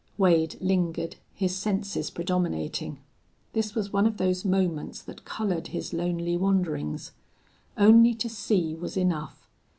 Wade lingered, his senses predominating. This was one of those moments that colored his lonely wanderings. Only to see was enough.